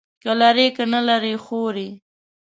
که لري، که نه لري، خوري.